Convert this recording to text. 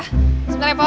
sebentar ya po